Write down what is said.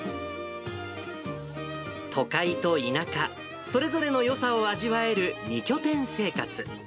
都会と田舎、それぞれのよさを味わえる２拠点生活。